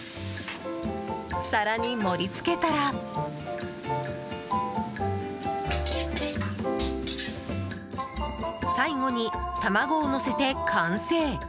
皿に盛り付けたら最後に卵をのせて完成。